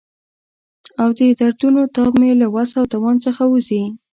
او د دردونو تاب مې له وس او توان څخه وځي.